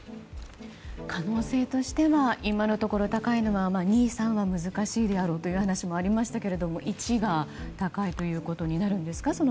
可能性としては今のところ高いのは２、３は難しいであろうというお話がありましたが１が高いということになるんですか？